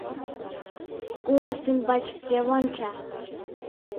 Курык ӱмбач кӧ вонча?